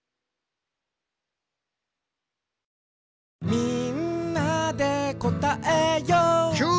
「みんなでこたえよう」キュー！